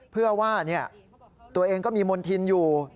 เพื่อว่าตัวเองก็มีมณฑินอยู่